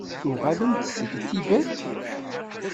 Tuɣalemt-d seg Tibet?